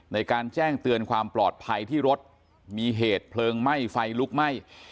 ในการแจ้งเตือนความปลอดภัยที่รถมีเหตุเพลิงไหม้ไฟลุกไหม้